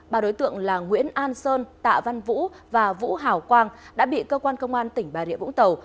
ba đối tượng là nguyễn an sơn tạ văn vũ và vũ hảo quang đã bị cơ quan công an tỉnh bà rịa vũng tàu